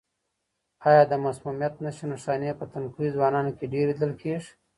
آیا د مسمومیت نښې نښانې په تنکیو ځوانانو کې ډېرې لیدل کیږي؟